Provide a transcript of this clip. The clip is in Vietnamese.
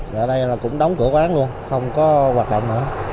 và ở đây nó cũng đóng cửa quán luôn không có hoạt động nữa